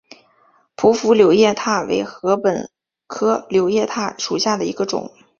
匍匐柳叶箬为禾本科柳叶箬属下的一个种。